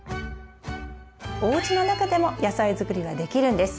おうちの中でも野菜づくりはできるんです。